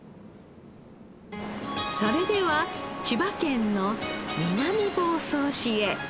それでは千葉県の南房総市へ！